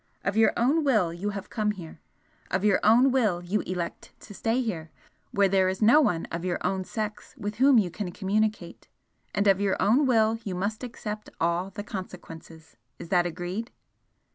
Of your own will you have come here of your own will you elect to stay here, where there is no one of your own sex with whom you can communicate and of your own will you must accept all the consequences. Is that agreed?"